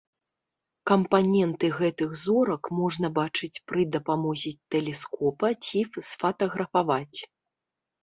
Кампаненты гэтых зорак можна бачыць пры дапамозе тэлескопа ці сфатаграфаваць.